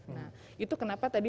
nah itu kenapa tadi bu bunga